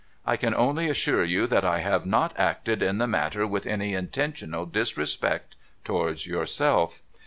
I can only assure you that I have not acted in the matter with any intentional disrespect towards yourself.